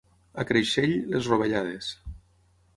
A Creixell, les rovellades.